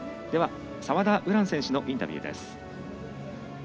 澤田優蘭選手のインタビューです。